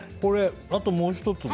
あともう１つが？